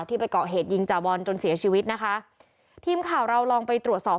ไปเกาะเหตุยิงจาบอลจนเสียชีวิตนะคะทีมข่าวเราลองไปตรวจสอบ